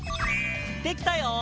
できたよ！